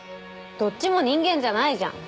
どっちも人間じゃないじゃん